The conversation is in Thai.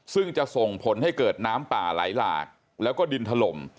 ซึ่งจะส่งผลให้เกิดน้ำป่าไหลหลากแล้วก็ดินถล่ม